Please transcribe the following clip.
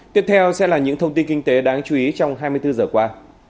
tiếp theo sẽ là những thông tin kinh tế đáng chú ý trong hai mươi bốn giờ qua